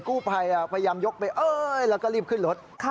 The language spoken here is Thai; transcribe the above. กู้ภัยพยายามยกไปเอ้ยแล้วก็รีบขึ้นรถ